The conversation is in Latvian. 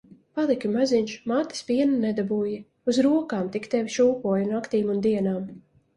Paliki maziņš, mātes piena nedabūji. Uz rokām tik tevi šūpoju naktīm un dienām.